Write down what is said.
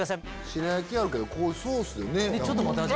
白焼きはあるけどこういうソースでね。